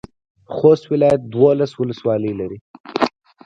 خوست ولایت دولس ولسوالۍ لري.